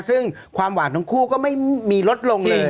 ซึ่งความหวานทั้งคู่ก็ไม่มีลดลงเลย